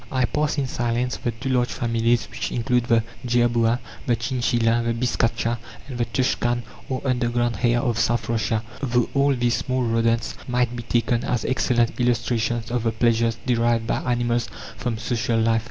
I pass in silence the two large families which include the jerboa, the chinchilla, the biscacha, and the tushkan, or underground hare of South Russia, though all these small rodents might be taken as excellent illustrations of the pleasures derived by animals from social life.